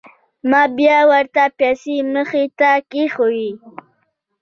ما بيا ورته پيسې مخې ته کښېښووې.